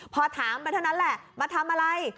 พอถามไปเท่านั้นแหละมาทำอะไร